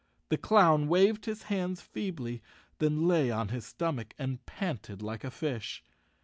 The clown waved his hands feebly, then lay on his stomach and panted like a fish.